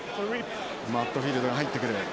マットフィールドが入ってくる。